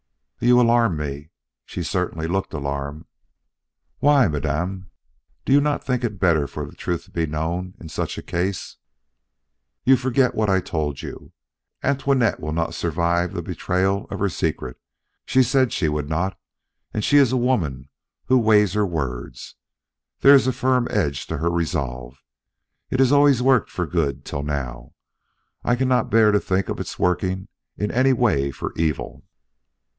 "You alarm me!" She certainly looked alarmed. "Why, madam? Do you not think it better for the truth to be known in such a case?" "You forget what I told you. Antoinette will not survive the betrayal of her secret. She said she would not, and she is a woman who weighs her words. There is a firm edge to her resolves. It has always worked for good till now. I cannot bear to think of its working in any way for evil."